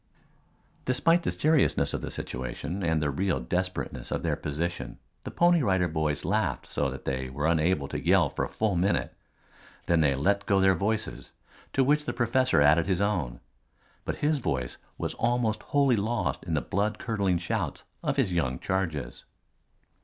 Despite the seriousness of the situation and the real desperateness of their position the Pony Rider Boys laughed so that they were unable to yell for a full minute. Then they let go their voices, to which the professor added his own. But his voice was almost wholly lost in the blood curdling shouts of his young charges.